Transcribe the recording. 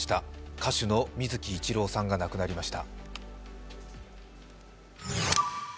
歌手の水木一郎さんが亡くなりました。